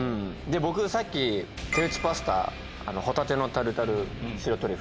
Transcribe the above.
僕さっき手打ちパスタホタテのタルタル白トリュフ。